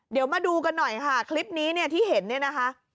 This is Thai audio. เดี๋ยวมาดูกันหน่อยค่ะคลิปนี้ที่เห็นนะคะ